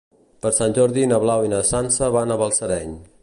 Per Sant Jordi na Blau i na Sança van a Balsareny.